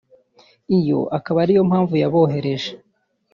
iyo ikaba ari yo mpamvu yabohereje